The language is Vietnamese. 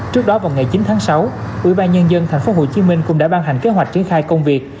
trước đó vào ngày chín tháng sáu ubnd tp hcm cũng đã ban hành kế hoạch triển khai công việc